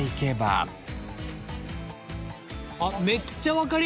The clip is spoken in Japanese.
あっめっちゃ分かりやすい。